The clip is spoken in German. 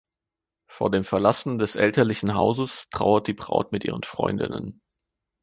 Vor dem Verlassen des elterlichen Hauses trauert die Braut mit ihren Freundinnen.